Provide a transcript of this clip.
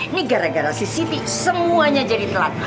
ini gara gara si siti semuanya jadi telat